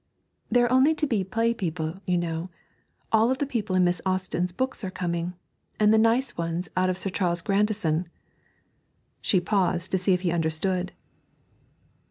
There are only to be play people, you know; all the people in Miss Austen's books are coming, and the nice ones out of Sir Charles Grandison.' She paused to see if he understood.